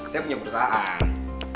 saya punya perusahaan